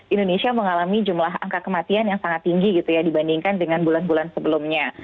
indonesia mengalami jumlah angka kematian yang sangat tinggi gitu ya dibandingkan dengan bulan bulan sebelumnya